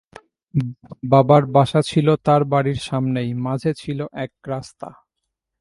বাবার বাসা ছিল তাঁর বাড়ির সামনেই, মাঝে ছিল এক রাস্তা।